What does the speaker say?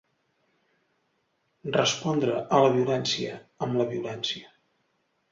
Respondre a la violència amb la violència.